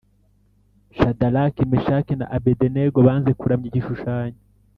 Shadaraki, Meshaki na Abedenego banze kuramya igishushanyo